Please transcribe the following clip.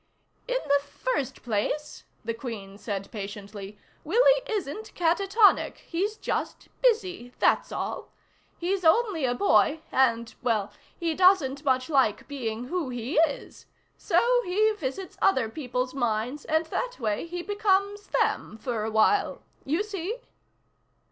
"In the first place," the Queen said patiently, "Willie isn't catatonic. He's just busy, that's all. He's only a boy, and well, he doesn't much like being who he is. So he visits other people's minds, and that way he becomes them for a while. You see?"